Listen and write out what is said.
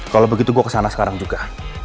kalau begitu gue kesana sekarang juga